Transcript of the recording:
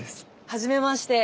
はじめまして。